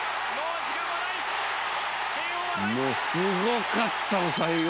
もうすごかったの最後。